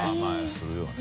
するよね。